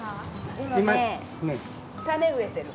今ね種植えてる。